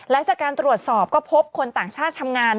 และจากการตรวจสอบก็พบคนต่างชาติทำงาน